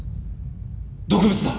毒物だ。